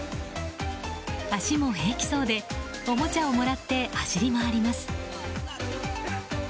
脚も平気そうでおもちゃをもらって走り回ります。